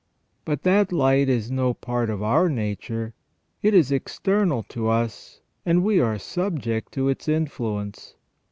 But that light is no part of our nature : it is external to us, and we are subject to its influence.